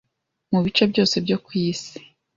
mu bice byose byo ku isi